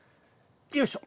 よいしょ。